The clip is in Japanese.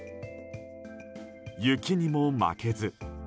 雪にも負けず。